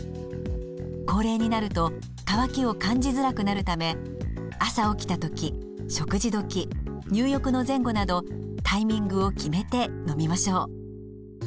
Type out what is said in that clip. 高齢になると渇きを感じづらくなるため朝起きた時食事時入浴の前後などタイミングを決めて飲みましょう。